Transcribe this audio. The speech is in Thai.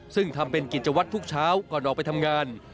ซึ่งทำเป็นกิจวัตรทุกเช้าก่อนออกไปทำงาน